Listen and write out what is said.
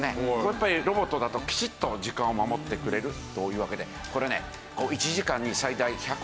やっぱりロボットだときちっと時間を守ってくれるというわけで。